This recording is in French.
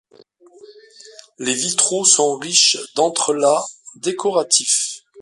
Les vitraux sont riches d'entrelacs décoratifs.